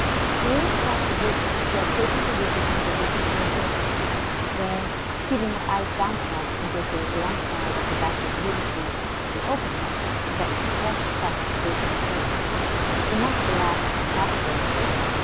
To reinforce her vision she had taken to visiting the British Museum, where, keeping her eyes downcast until she was alongside of the battered Ulysses, she opened them and got a fresh shock of Jacob's presence, enough to last her half a day.